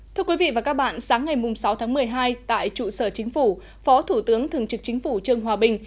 thưa quý vị và các bạn sáng ngày sáu tháng một mươi hai tại trụ sở chính phủ phó thủ tướng thường trực chính phủ trương hòa bình